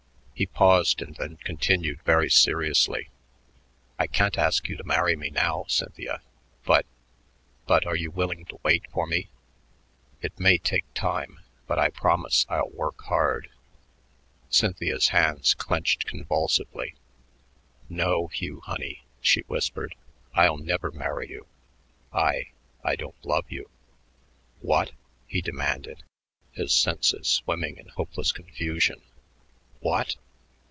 He paused and then continued very seriously, "I can't ask you to marry me now, Cynthia but but are you willing to wait for me? It may take time, but I promise I'll work hard." Cynthia's hands clenched convulsively. "No, Hugh honey," she whispered; "I'll never marry you. I I don't love you." "What?" he demanded, his senses swimming in hopeless confusion. "What?"